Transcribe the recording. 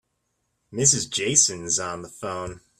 Mrs. Jason is on the phone.